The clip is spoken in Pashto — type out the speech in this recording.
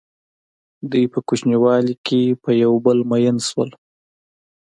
دوی په کوچنیوالي کې په یو بل مئین شول.